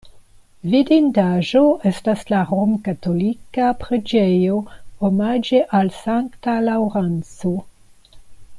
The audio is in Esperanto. Vidindaĵo estas la romkatolika preĝejo omaĝe al Sankta Laŭrenco.